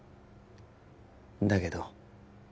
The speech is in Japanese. だけど